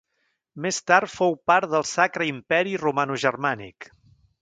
Més tard fou part del Sacre Imperi Romanogermànic.